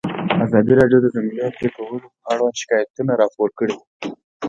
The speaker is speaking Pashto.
ازادي راډیو د د ځنګلونو پرېکول اړوند شکایتونه راپور کړي.